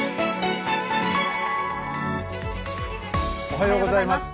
おはようございます。